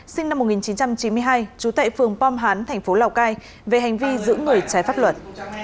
sinh năm một nghìn chín trăm chín mươi hai trú tại phường pom hán thành phố lào cai về hành vi giữ người trái pháp luật